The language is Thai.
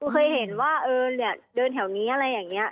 เคยเห็นว่าเดินแถวนี้อะไรอย่างนี้